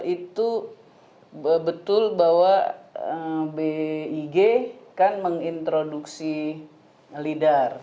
itu betul bahwa big kan mengintroduksi lidar